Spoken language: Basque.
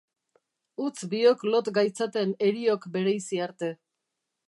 Utz biok lot gaitzaten heriok bereizi arte.